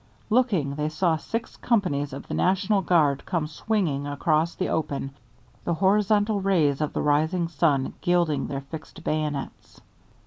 Looking, they saw six companies of the National Guard come swinging across the open, the horizontal rays of the rising sun gilding their fixed bayonets.